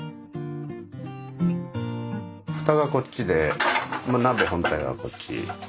ふたはこっちで鍋本体はこっち。ね。